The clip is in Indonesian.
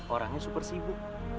orangnya super sibuk